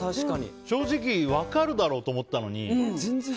正直、分かるだろうと思ったのに全然。